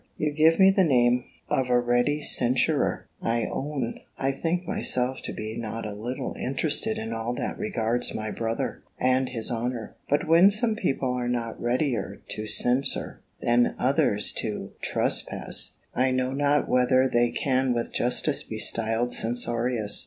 You give me the name of a ready censurer. I own, I think myself to be not a little interested in all that regards my brother, and his honour. But when some people are not readier to censure, than others to trespass, I know not whether they can with justice be styled censorious.